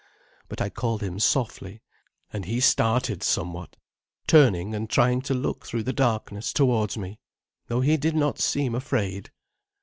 But I called him softly, and he started somewhat, turning and trying to look through the darkness towards me, though he did not seem afraid.